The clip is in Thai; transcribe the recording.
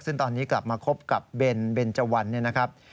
ซึ่งตอนนี้กลับมาคบกับเบนเจาันนะครับ